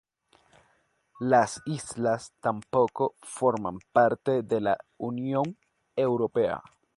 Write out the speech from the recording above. Las islas tampoco forman parte de la Unión Europea.